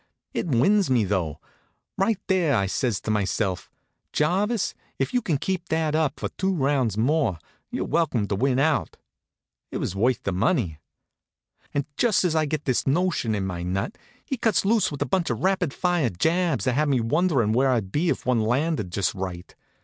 It wins me, though. Right there I says to myself: "Jarvis, if you can keep that up for two rounds more, you're welcome to win out." It was worth the money. And just as I gets this notion in my nut, he cuts loose with a bunch of rapid fire jabs that had me wonderin' where I'd be if one landed just right.